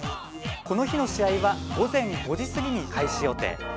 この日の試合は午前５時過ぎに開始予定。